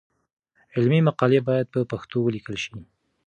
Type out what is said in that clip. علمي مقالې باید په پښتو ولیکل شي.